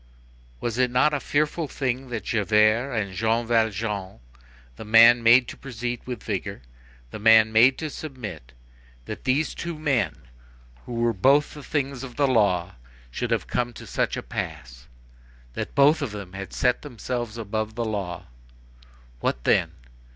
Was it not a fearful thing that Javert and Jean Valjean, the man made to proceed with vigor, the man made to submit,—that these two men who were both the things of the law, should have come to such a pass, that both of them had set themselves above the law? What then!